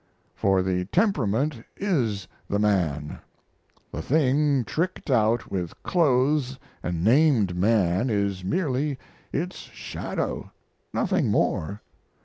For the temperament is the man; the thing tricked out with clothes and named Man is merely its Shadow, nothing more.